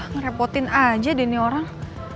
ngerepotin aja deh nih orang